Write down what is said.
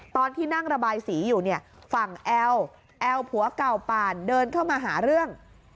ตอนที่นั่งระบายสีอยู่เนี่ยฝั่งแอลแอลผัวเก่าป่านเดินเข้ามาหาเรื่อง